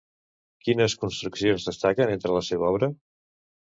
Quines construccions destaquen entre la seva obra?